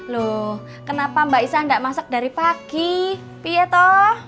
loh kenapa mbak isa nggak masak dari pagi pieto